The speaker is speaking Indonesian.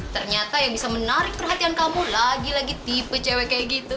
ternyata yang bisa menarik perhatian kamu lagi lagi tipe cw kayak gitu